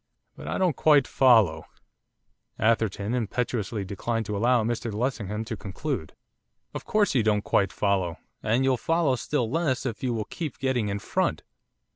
'But, I don't quite follow ' Atherton impetuously declined to allow Mr Lessingham to conclude. 'Of course you don't quite follow, and you'll follow still less if you will keep getting in front.